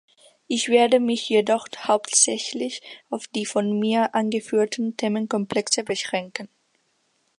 Ich werde mich jedoch hauptsächlich auf die von mir angeführten Themenkomplexe beschränken.